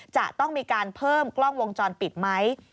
จะต้องมีการเพิ่มกล้องวงจรปิดไหม